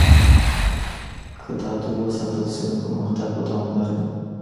که تعادل وساتل سي نو پرمختګ به دوامداره وي.